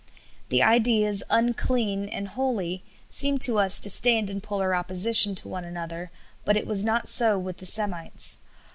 The ideas 'unclean' and 'holy' seem to us to stand in polar opposition to one another, but it was not so with the Semites.